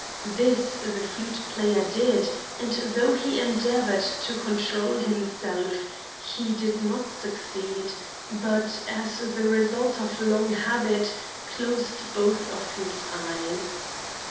This the flute player did, and though he endeavored to control himself, he did not succeed, but, as the result of long habit, closed both of his eyes.